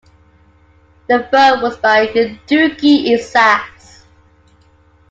The throw was by Dougie Isaacs.